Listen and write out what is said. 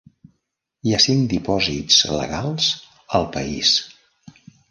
Hi ha cinc dipòsits legals al país.